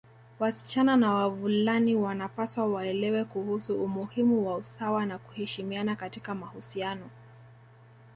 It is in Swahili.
Wasichana na wavulani wanapaswa waelewe kuhusu umuhimu wa usawa na kuheshimiana katika mahusiano